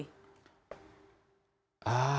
ah itu ya